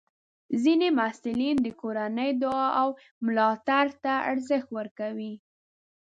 ځینې محصلین د کورنۍ دعا او ملاتړ ته ارزښت ورکوي.